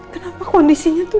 kenapa kondisinya tuh